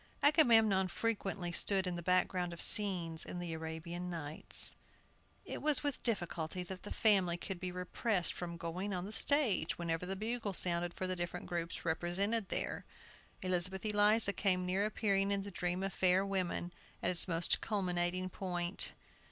Agamemnon frequently stood in the background of scenes in the Arabian Nights. It was with difficulty that the family could be repressed from going on the stage whenever the bugle sounded for the different groups represented there. Elizabeth Eliza came near appearing in the "Dream of Fair Women," at its most culminating point.